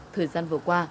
thời gian vừa qua